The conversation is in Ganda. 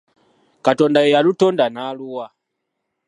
Katonda ye yalutonda n’aluwa